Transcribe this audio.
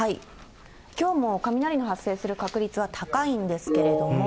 きょうも雷の発生する確率は高いんですけれども。